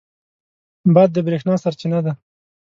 باد د برېښنا سرچینه ده.